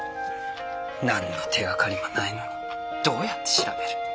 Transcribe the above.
何の手がかりもないのにどうやって調べる？